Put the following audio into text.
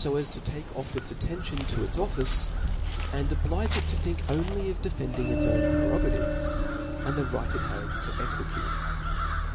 6* ^^^^^^*^^^^^'^ attention to its office, and oblige it to think only of defending its own pre rogatives, ahd the right it has to execute.